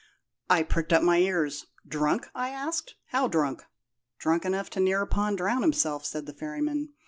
I pricked up my ears. 'Drunk?' I asked. How drunk?' 'Drunk enough to near upon drown himself,' said the ferryman.